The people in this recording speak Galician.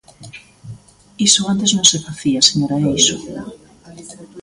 Iso antes non se facía, señora Eixo.